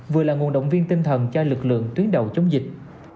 vừa là nguồn động viên tinh thần cho lực lượng tuyến đầu chống dịch